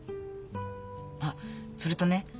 あっそれとね